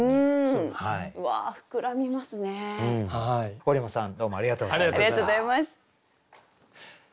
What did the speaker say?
堀本さんどうもありがとうございました。